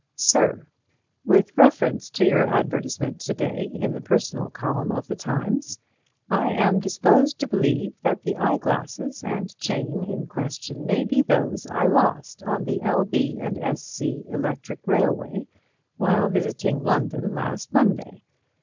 Sir: With reference to your advertisement to day in the personal column of The Times, I am disposed to believe that the eyeglasses and chain in question may be those I lost on the L. B. & S. C. Electric Railway while visiting London last Monday.